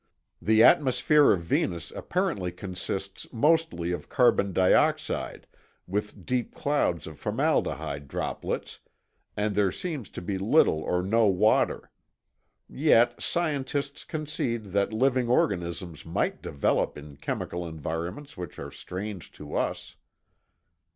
The atmosphere of Venus apparently consists mostly of carbon dioxide with deep clouds of formaldehyde droplets, and there seems to be little or no water. Yet, scientists concede that living organisms might develop in chemical environments which are strange to us.